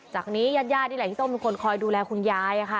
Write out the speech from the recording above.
จากนี้ญาติที่ต้องเป็นคนคอยดูแลคุณยายอะค่ะ